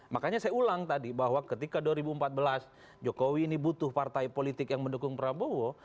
makanya saya ulang tadi bahwa ketika dua ribu empat belas jokowi ini butuh partai politik yang mendukung prabowo